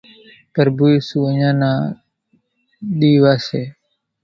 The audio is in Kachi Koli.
پرڀُو ايسُو اينيان نا ۮيوا سي